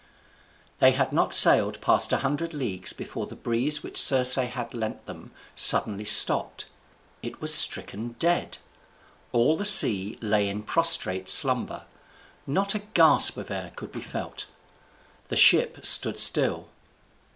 They had not sailed past a hundred leagues before the breeze which Circe had lent them suddenly stopped. It was stricken dead. All the sea lay in prostrate slumber. Not a gasp of air could be felt. The ship stood still.